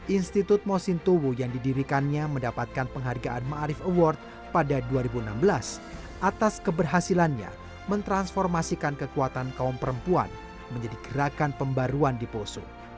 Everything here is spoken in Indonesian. institut mosintowo yang didirikannya mendapatkan penghargaan ⁇ maarif ⁇ award pada dua ribu enam belas atas keberhasilannya mentransformasikan kekuatan kaum perempuan menjadi gerakan pembaruan di poso